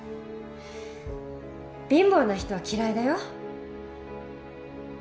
貧乏な人は嫌いだよ。